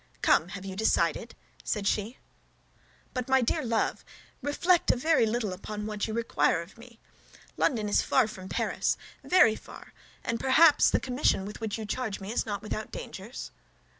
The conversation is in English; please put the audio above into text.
"Come! Have you decided?" said she. "But, my dear love, reflect a little upon what you require of me. London is far from Paris, very far, and perhaps the commission with which you charge me is not without dangers?"